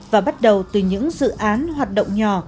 và bắt đầu từ những dự án hoạt động nhỏ